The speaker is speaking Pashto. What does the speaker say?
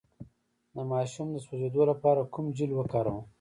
د ماشوم د سوځیدو لپاره کوم جیل وکاروم؟